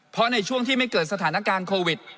เพราะในช่วงที่ไม่เกิดสถานการณ์โควิด